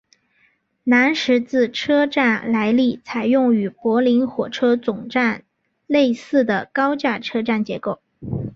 南十字车站历来采用与柏林火车总站类似的高架车站结构。